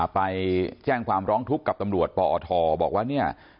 ไปแจ้งความร้องทุกข์กับตำรวจปอทบอกว่าเนี่ย